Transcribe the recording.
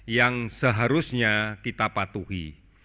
yang seharusnya kita patuhi